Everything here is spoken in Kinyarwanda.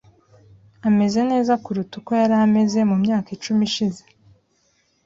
Ameze neza kuruta uko yari ameze mu myaka icumi ishize .